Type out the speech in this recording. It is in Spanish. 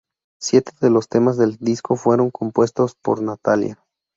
Siete de los temas del disco fueron compuestos por Natalia.